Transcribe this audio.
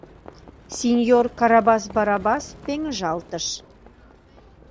Синьор Карабас Барабас пеҥыжалтыш: